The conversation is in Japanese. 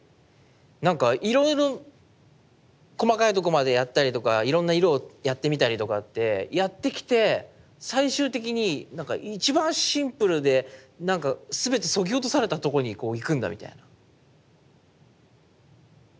なんかいろいろ細かいとこまでやったりとかいろんな色をやってみたりとかってやってきて最終的になんか一番シンプルでなんか全てそぎ落とされたとこにこう行くんだみたいな。